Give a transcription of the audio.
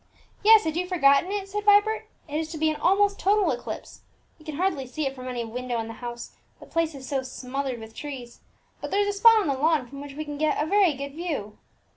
"Yes; had you forgotten it?" said Vibert. "It is to be an almost total eclipse. We can hardly see it from any window in the house, the place is so smothered with trees; but there is a spot on the lawn from which we can get a very good view."